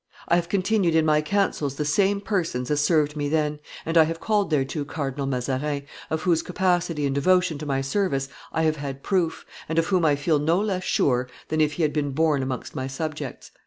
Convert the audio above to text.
I have continued in my councils the same persons as served me then, and I have called thereto Cardinal Mazarin, of whose capacity and devotion to my service I have had proof, and of whom I feel no less sure than if he had been born amongst my subjects."